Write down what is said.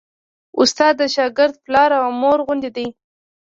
استاد د شاګرد پلار او مور غوندې دی.